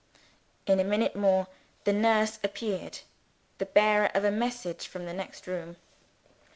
In a minute more the nurse appeared, the bearer of a message from the next room.